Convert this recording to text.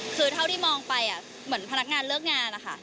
คือเท่าที่มองไปเหมือนพนักงานเลิกงานนะคะ